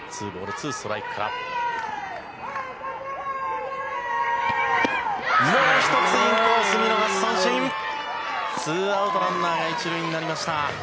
ツーアウト、ランナーが１塁になりました。